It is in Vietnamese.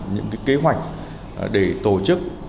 những kế hoạch để tổ chức